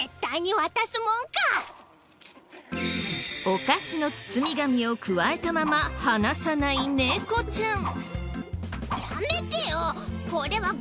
お菓子の包み紙をくわえたまま離さない猫ちゃん。